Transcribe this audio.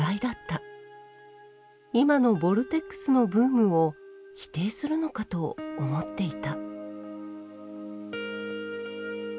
今のボルテックスのブームを否定するのかと思っていた